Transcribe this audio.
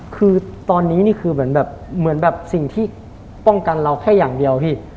คือตอนนี้นี่คือเหมือนแบบเหมือนแบบสิ่งที่ป้องกันเราแค่อย่างเดียวพี่